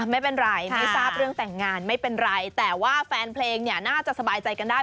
ไม่เป็นไรไม่ทราบเรื่องแต่งงานไม่เป็นไรแต่ว่าแฟนเพลงเนี่ยน่าจะสบายใจกันได้